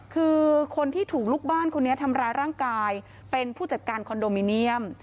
คือคนที่ถูกลูกบ้านคนนี้ทำร้ายร่างกายเป็นผู้จัดการคอนโดมิเนียม